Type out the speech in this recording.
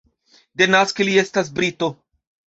Denaske li estas brito.